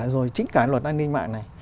rồi chính cả luật an ninh mạng này